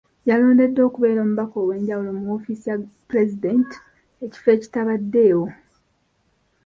Yalondeddwa okubeera omubaka ow’enjawulo mu woofiisi ya Pulezidenti ekifo ekitabaddeewo.